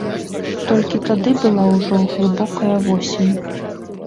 Толькі тады была ўжо глыбокая восень.